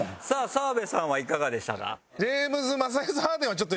澤部さんはいかがでしたか？